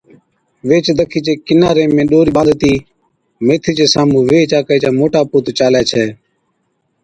ويھِچ دکِي چي ڪِناري ۾ ڏورِي ٻانڌتِي ميٿِي چي سامھُون ويھِچ آڪھِي چا موٽا پُوت چالَي ڇَي